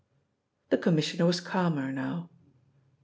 The Commissioner was calmer now.